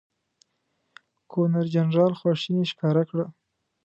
ګورنرجنرال خواشیني ښکاره کړه.